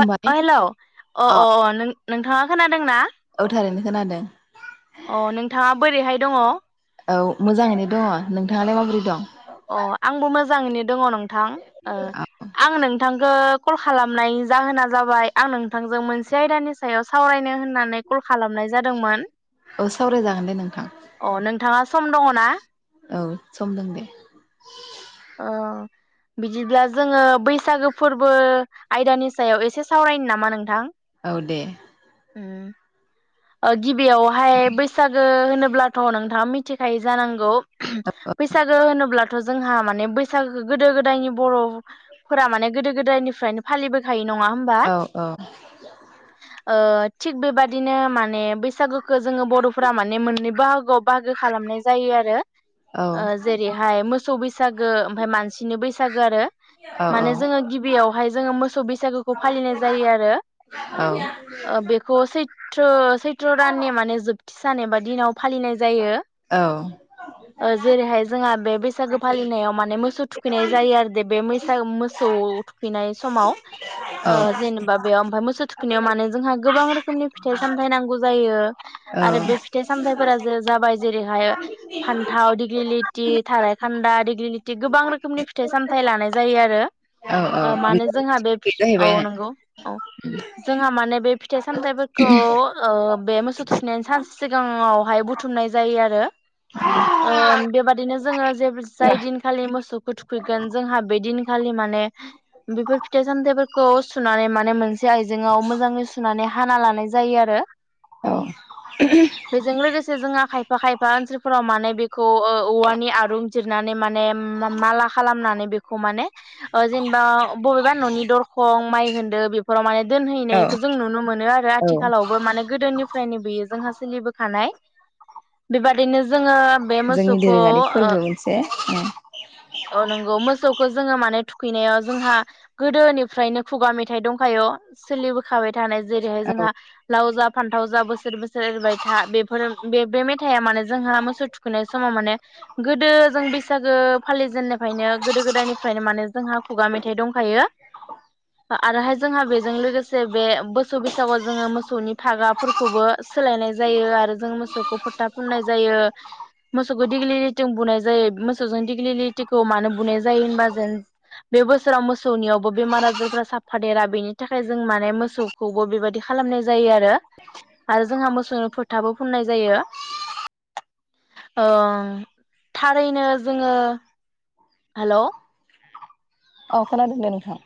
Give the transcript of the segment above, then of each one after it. अ अ hello अ अ अ नोंथाङा खोनादों ना? औ थारैनो खोनादों। बोरैहाय दङ औ मोजाङैनो दङ नोंथाङालाय माबोरै दं? आंबो मोजाङैनो दङ नोंथां ओ आं नोंथांखो कल खालामनाय जाहोना जाबाय आं नोंथांजों मोनसे आयदानि सायाव सावरायनो होननानै कल खालामनाय जादोंमोन। औ सावरायजागोन दे नोंथां। अ नोंथाङा सम दङ ना? औ सम दं दे। अ बिदिब्ला जोङो बैसागो फोरबो आयदानि सायाव एसे सावरायनो नामा नोंथां? औ दे। [inaudible] [inaudible] गिबियावहाय बैसागो हो होनोब्लाथ नोंथाङा मिथिखायो जानांगौ औ बैसागो होनोब्लाथ जोंहा माने बैसागो गोदो गोदायनि बर' फोर माने गोदो गोदायनिफ्रायनो फालिबोखायो नङा होनबा? औ औ थिग बेबायदिनो मान ने बैसागु जोङो बर'फोरा माने मोननै बाहागोआव बाहागो खालामनाय जायो आरो औ ओ जेरैहाय मोसौ बैसागो ओमफ्राय मानसिनि बैसाग बैसागो आरो। औ माने जोङो गिबियावहाय जोङो मोसौ बैसागोखौ फालिनाय जायो औ आरो बेखौ सैथ्र षैट्र दाननि माने जोब सान एबा दिनाव फालिनाय औ जायो जेरैहाय जोंहा बे बैसागो फालिनायाव माने मोसौ थुखैनाय जायो आरो दे बे मोसौ थुखैनाय समाव ओ औ जेनेबा बेयाव ओमफ्राय मोसौ थुखैनायाव माने जोंहा गोबां रोखोमनि फिथाइ सामथायाइ नांगौ जायो। आरो बे फिथाय साम फोरा जे जाबाय जेरैहाय फान्थाव, दिग्लि लाथि, थारायखान्दा, दिग्लि लिथि गोबां रोखोमनि फिथाइ सामथ लानाय जायो आरो औ औ ओ मानो जोंहा बे औ नंगौ। औ जोंहा माने बे फिथाइ सामथायाइफोरखौ ओ बे मोसौ थुखैनायनि सानसे सिगाङावहाय बुथुमनाय जायो आरो ओ बेबादिनो जोङो जे जाय दिनखालि मोसौखौ थुखैगोन जोंहा बे दिनखालि माने बेफोर फिथाइ सामथाइफोरखौ सुनानै माने मोनसे आइजेंआव मोजाङै सुनानै हाना लानाय जायो आरो। औ बेजों लोगोसे जोंहा खायफा खायफा ओनसोलफोराव माने बेखौ औवानि आरुं जिरनानै माने माला खालाम नानै बेखौ माने जेनेबा बबेबा न'नि दरखं, माइ होन बेफोराव माने औ दोनहैनायखौ जों नुनो मोनो आरो औ आथिखालावबो माने- गोदोनिफ्रायनो बियो जोंहा सोलिबोखानाय। बेबादिनो जोङो बे जोंनि मोसौखौ दोरोङारि फोरबो मोनसे ओ नंगौ मोसौखौ जोङो माने थुखैनायाव जोंहा गोदोनिफ्रायनो खुगा मेथाइ दंखायो सोलिबोखाबाय थानाय जेरैहाय औ जोंहा लाव जा फानथाव जा बोसोर बोसोर एरैबाय था बेफोर बे बे मेथाइआ माने जोंहा मोसौ थुखैनाय समाव माने गोदो जों बैसागो फालिजेननायफ्रायनो गोदो गोदायनिफ्रायनो माने जोंहा खुगा मेथाइ दंखायो। आरोहाय जोंहा बेजों लोगोसे बे बोसौ बैसागुआव जोङो मोसौनि थाग्राफोरखौबो सोलायनाय जायो, आरो जों मोसौखौ फोथा फुननाय जायो, मोसौखौ दिग्लिलिथिं बुनाय जायो मोसौजों दिग्लिटिखौ मानो बुनाय जायो होनबा जों बे बोसोराव मोसौनियावबो बेमार आजारफ्रा साफ देरा बेनि थाखाय जों माने मोसौखौबो बेबायादि खालामनाय जायो आरो। आरो जोंहा मोसौ फोथाबो फुननाय जायो। ओ थारैनो जोङो हेल औ, खोनादों दे नोंथां।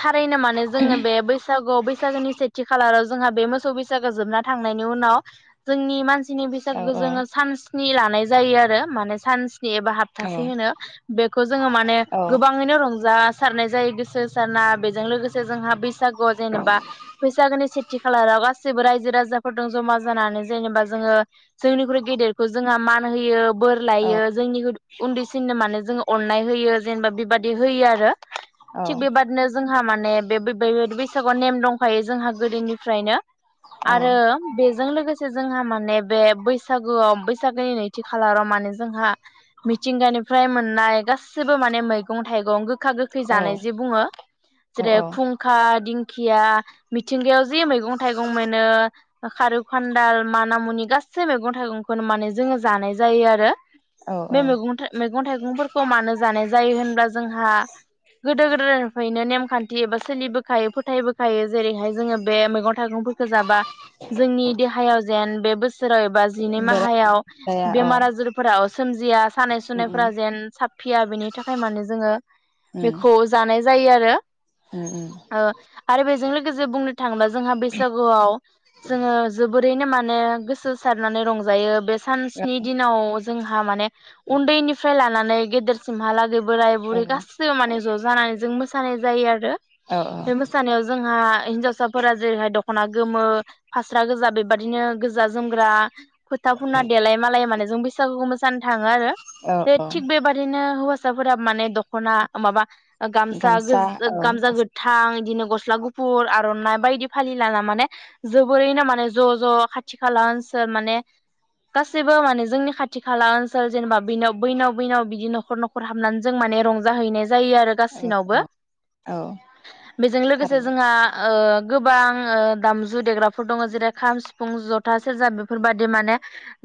थारैनो माने जोङो बे बैसा गुआव बैसागोनि सेथि खालाराव जोंहा बे मोसौ बैसागो जोबना थांनायनि उनाव जोंनि मानसि नि औ बैसागुखौ औ जोङो सान स्नि लानाय जायो आरो। माने सानस्नि एबा औ हाथासे होनो। बेखौ जोङो माने औ गोबाङैनो रंजा सारनाय जायो गोसो होसारना। बेजों लोगोसे जोंहा बैसागो आव जेनेबा बैसागोनि सेथि खालाराव गासिबो रायजो राजाफोरजों जमा जानानै जेनेबा जोङो जोंनिख्रुइ गेदेरखौ जोंहा मान होयो, बोर औ लायो, जोंनिख्रुय उन्दैसिननो माने जोङो अननाय होयो, जेनेबा बेबादि होयो आरो। औ थिग बेबादिनो जोंहा माने बे बैसागुआव नेम दंखायो जोंहा गोदोनिफ्रायनो। आरो बेजों लोगोसे जोंहा माने बे बैसागुआव बैसागोनि नैथि खालाराव माने जोंहा मिथिंगानिफ्राय मोननाय गासिबो माने मैगं थाइगं गोखा गोखै जानाय जायों। जे बुङो औ जेरैहाय खुंखा दिंखिया मिथिंगायाव जि मैगं थाइगं मोनो खारौ खान्दाल माना मुनि गासै मैगं थाइगंखौनो माने जोङो जानाय जायो आरो औ औ बे मैगं थाय मैगं थायगंफोरखौ मानो जानाय जायो होनबा जोंहा गोदो गोद्रायनिफ्रायनो नेमखान्थि एबा सोलिबोखायो फोथायबोखायो जेरैहाय जोङो बे मैगं थाइगंफोरखौ जाबा जोंनि देहायाव जेन बे बोसोराव एबा जिनै माह बेराम हायाव जाया औ बेमार आजार फोरा अ सोमजिया सानाय उम उम सुनायफोरा जेन साबफिया बिनि थाखाय माने जोङो उम बेखौ जानाय जायो आरो उम उम ओ आरो बेजों लोगोसे बुंनोथाङोबा जोंहा बैसागुआव जोङो जोबोरैनो माने गोसो होसारनानै रंजायो बे औ सानस्नि दिनाव जोंहा माने उन्दैनिफ्राय लानानै गेदेरसिमहालागै बोराय बुरै गासि सैबो माने ज जानानै जों मोसानाय जायो आरो औ बे मोसानायाव जोंहा हिनजावसाफोरा जेरैहाय दखना गोमो फास्रा गोजा बेबादिनो गोजा जोमग्रा फोथा फुनना देलाय मालाय माने जों बैसागुखौ मोसानो थाङो आरो औ बे थिग बेबादिनो हौवासाफोरा माने दखना अ माबा गामसा गोज गामसा गोथां इदिनो गस स्ला गुफुर आरनाइ बायदि फालि लाना माने जोबोरैनो माने ज ज खाथि खाला ओनसोल माने गासैबो माने जोंनि खाथि खाला ओनसोल जेनेबा बिनाव बैनाव बैनाव बिदि नखर नखर हाबनानै जों माने रंजाहैनाय जायो आरो औ गासिनावबो। औ बेजों लोगोसे थारैनो जोंहा ओ गोबां ओ दामजु देग्राफोर दङ जेरै खाम सिफुं जथा सेरजा बेफोरबादि माने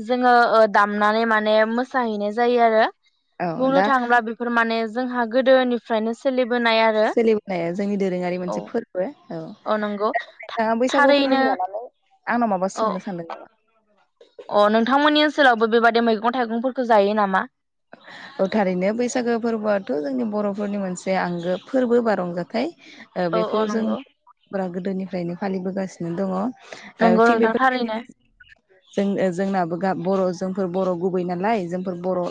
जोङो ओ दामनानै माने मोसाहैनाय जायोआरो औ बुंनो दा थाङोब्ला बेफोर माने - जोंहाग गोदोनिफ्रायनो सोलि सोलिबोनाया जोंनि दोरोङारि औ मोनसे फोरबो औ नोंथाङा बैसागु थारैनो फोरबोखौ लानानै आंनाव माबा औ सोंनो सानदों नामा? अ नोंथांमोननि ओनसोलावबो बेबादि मैगं थाइगंफोरखौ जायो नामा? औ थारैनो बैसागो फोरबोआथ जोंनि बरफोरनि मोनसे आंगो फोरबो बा रंजाथाइ ओ औ बेखौ औ जों नंगौ बारा गोदोनिफ्रायनो फालिबोगासिनो दङ। नंगौ थिग बे नोंथां थारैनो। जों ओ जोंनाबो गा बर जोंफोर बर गुबै नालाय जोंफोर बर ओ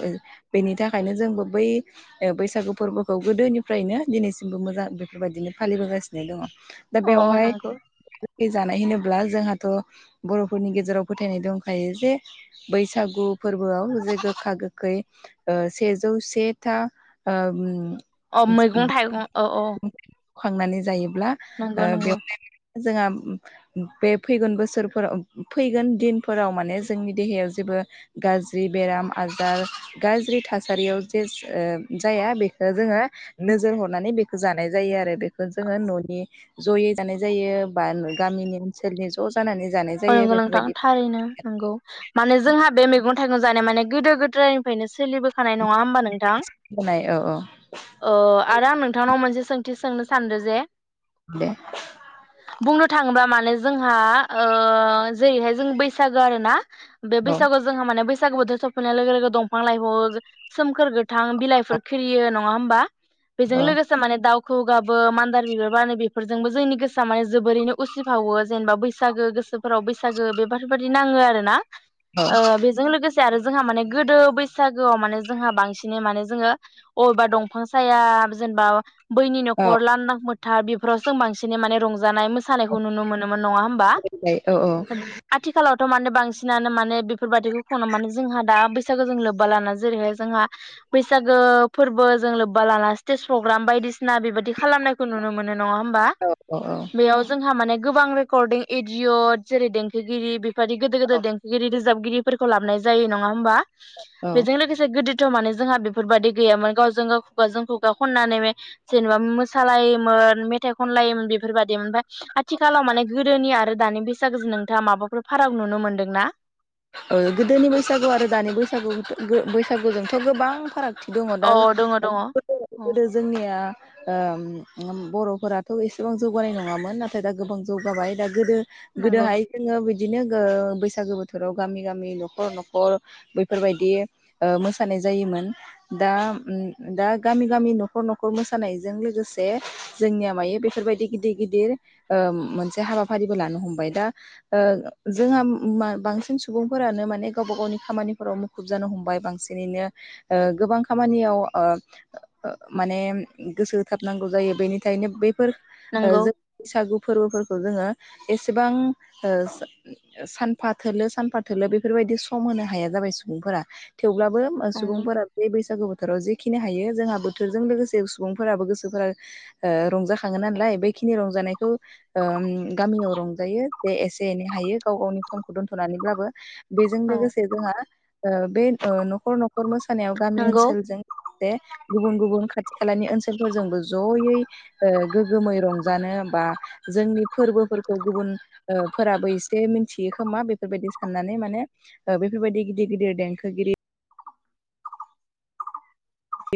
बेनि थाखायनो जोंबो बै ओ बैसागु फोरबोखौ गोदोनिफ्रायनो दिनैसिमबो मोजां बेफोरबायदिनो फालिबोगासिनो दङ। दा औ औ बेवहाय नंगौ जानाय होनो ब्ला जोंहाथ बरफोरनि गेजेराव फोथायनाय दंखायो जे बैसागु फोरबोआव जे गोखा गोखै ओ सेजौ से था ओम अ मैगं थाइगं औ औ। खांनानै जायो। ब्ला ओ नंगौ बेव नंगौ [inaudible] जोंआ बे फैगोन बोसोरफोराव फैगोन दिनफोराव माने जोंनि देहायाव जेबो गाज्रि बेराम आजार गाज्रि थासारियाव जेज ओ जाया बेखौ जोङो नोजोर हरनानै बेखौ जानाय जायो आरो बेखौ जोङो ननि जयै जानाय जायो बा गामिनि ओनसोलनि ज ज जानानै जानाय औ जायो नंगौ नोंथां बेफोरबायदि थारैनो नोंगौ माने जोंहा बे मैगं थाइगं जानाय माने गोदो गोद्रायनिफ्रायनो सोलिबोखानाय नङा होमबा नोंथां होनाय औ ओ आरो आं नोंथांनाव मोनसे सोंथि सोंनो सानदो जे दे। बुंनो थाङोबा माने जोंहा ओ जेरैहाय जों बैसागो आरो ना बे बैसागुआव जोंहा माने बैसा बैसागु बोथोर सफैनाय लोगो लोगो दंफां लाइफावाव सोमखोर गोथां बिलाइफोर खिलियो नङा होमबा। बेजों लोगोसे माने दाउ खौवौ गाबो मान्दार बिबार बारो बेफोरजोंबो जोंनि गोसोआ माने जोबोरैनो उसिफावो जेनेबा बैसा बैसागो गोसोफोराव बैसागो बेफोरबायदि नाङो आरो ना। ओ बेजों लोगो से आरो जोंहा माने गोदो बैसागोआव माने जोंहा बांसिनै माने जोङो अबेबा दंफां साया जेनबा बैनि नखर लान्दां मोन था बेफोरावसो बांसिनै माने रंजानाय मोसानायखौ नुनो मोनोमोन नङा बा दे औ औ आथिखालावथ मानो बां सिनानो माने बि बेफोरबायदिखौ खनो माने जोंहा दा बै बैसागो जों लोब्बा लाना जेरैहाय जोंहा बैसागो फोरबोजों लोब्बा लाना स्टेज पग्राम बायदिसिना बेबादि खालामनायखौ नुनो मोनो नङा होमबा औ औ औ बेयाव जोंहा माने गोबां रेकरदिं एडिअ जेरै देंखोगिरि बे बादि गोदोर गोदोर देंखोगिरि रोजाबगिरिफोरखौ लाबनाय जायो नङा होमबा। औ बेजों लोगोसे गोदो थ माने जोंहा बेफोरबादि गैयामोन गावजों गाव खुगाजों खुगा खननानै मे जेनेबा मोसालायोमोन मेथाइ खनलायोमोन बेफोरबायदिमोन ओमफ्राय आथिखालाव माने गो दोनि आरो दानि बैसागोजों नोंथाङा माबाफोर फाराग नुनो मोनदोंना? ओ गोदोनि बैसागु आरो दानि बैसागु गो बैसागुजोंथ' गोबां फाराग दङ दा अ दङ [unintelligible] दङ औ गोदो जोंनिया ओ उम बर'फोराबोथ' एसेबां जौगानाय नङामोन नाथाय दा गोबां जौगाबाय दा गोदो नंगौ गोदोहाय जोङो बिद बिदिनो गो बैसागो बो बोथोराव गामि गामि न'खर न'खर बैफोरबायदि ओ मोसानाय जायोमोन दा उम दा गामि गामि न'खर न'खर मोसानायजों लोगोसे जोंनिया मायो बेफोरबायदि गिदिर गिदिर ओ मोनसे हाबाफारिबो लानो हमबाय दा ओ जोंहा मा बांसिन सिन सुबुंफोरानो माने गावबा गावनि खामानिफोराव मुखुब जानो हमबाय बांसिनैनो ओ गोबां खामानियाव ओ माने गोसो होथाबनांगौ जायो बेनिथायनो बै फोर ओ नंगौ जों बैसागु फोरबोफोरखौ जोङो एसेबां ओ सानफा थोलो सानफा थोलो बेफोरबायदि सम होनो हाया जाबाय सुबुंफोरा थेवब्लाबो नंगौ सुबुंफोरा बे बैसागु बो थोराव जेखिनि हायो जोंहा बोथोरजों लोगोसे सुबुंफोराबो गोसोफोरा ओ रंजाखाङो नालाय बैखिनि रंजानायखौ ओ उम गामियाव रंजायो जे एसे एनै हायो गाव गावनि समखौ दोनथ' थ'नैब्लाबो बेजों औ लोगोसे जोंहा ओ बे ओ न'खर न'खर मोसा सानायाव गामि नंगौ ओनसोलजों बे गुबुन गुबुन खाथि खालानि ओनसोलफोरजोंबो ज'यै ओ गोगोमै रंजानो बा जोंनि फोरबोफोरखौ गुबुन ओ फोराबो एसे मिथियो खोमा बे बेफोरबायदि साननानै माने ओ बेफोरबायदि गिदिर गिदिर देंखोगिरि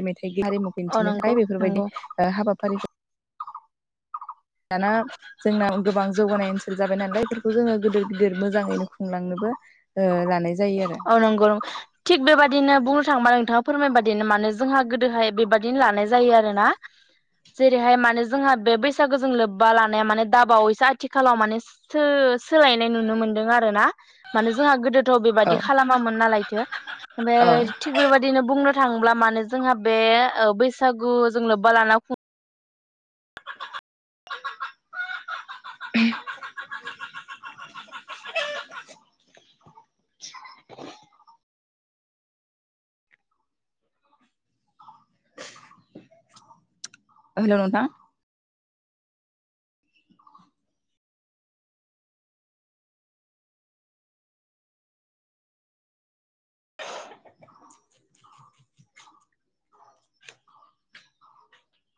मेथाइ हारिमुखौ अ दिन्थिनो नंगौ थायो नंगौ बेफोरबायदि ओ हाबाफारिखौ दाना जोंना गोबां जौगानाय ओनसोल जाबाय नालाय बेफोरखौ जोङो गिदिर गिदिर मोजाङैनो खुंलांनोबो ओ लानाय जायो आरो अ नंगौ नं थिक बेबाद बिदिनो बुंनो थाङोबा नोंथाङा फोरमाय बादिनो माने जोंहा गोदोहाय बेबादिनो लानाय जायो आरोना जेरैहाय माने जोंहा बे बैसागोजों लोब्बा लानाया माने दाबावैसो आथिखालाव माने सो सोलायनाय नुनो मोनदों आरो ना माने जोंहा गोदोथ' औ खालामामोन नालायथो औ ओमफाय थिग बेबायदिनो बुंनो थांब्ला मानोे जोंहा बे बैसागुजों लोब्बा लाना खुं [inaudible] हेल' नोंथां। [inaudible]